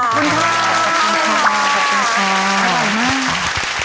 ขอบคุณค่ะ